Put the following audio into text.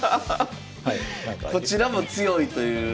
こちらも強いというのは。